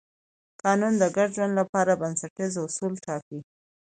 قانون د ګډ ژوند لپاره بنسټیز اصول ټاکي.